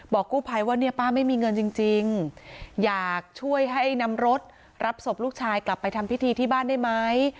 กู้ภัยว่าเนี่ยป้าไม่มีเงินจริงอยากช่วยให้นำรถรับศพลูกชายกลับไปทำพิธีที่บ้านได้ไหม